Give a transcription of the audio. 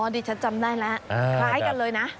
ดิฉันจำได้แล้วคล้ายกันเลยนะ